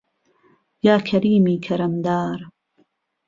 یا کهریمی کهرهمدار